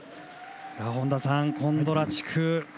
本田さん、コンドラチュク